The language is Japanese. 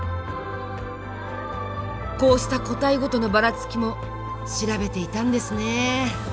こうした個体ごとのバラツキも調べていたんですね。